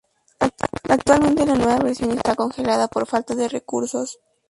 Actualmente la nueva versión está congelada por falta de recursos.